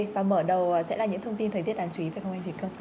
và mở đầu sẽ là những thông tin thời tiết đáng chú ý phải không anh thị câm